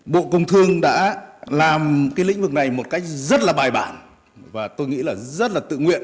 bộ công thương đã làm lĩnh vực này một cách rất bài bản và tôi nghĩ rất tự nguyện